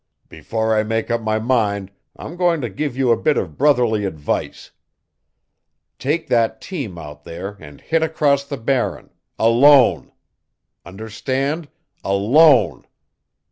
Before I make up my mind I'm going to give you a bit of brotherly advice. Take that team out there and hit across the Barren ALONE. Understand? ALONE.